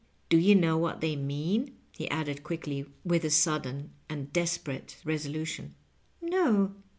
Do you know what they mean ?" he added qnickly, with a sudden and desperate resolution. «No."